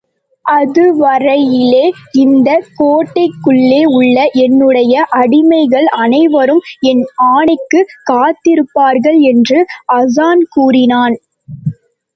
அதுவரையிலே இந்தக் கோட்டைக்குள்ளே உள்ள என்னுடைய அடிமைகள் அனைவரும் என் ஆணைக்குக் காத்திருப்பார்கள் என்று ஹாஸான் கூறினான்.